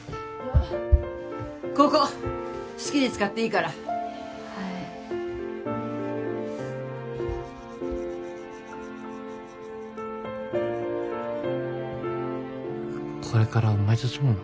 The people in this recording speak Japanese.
ここ好きに使っていいからはいこれからお前と住むの？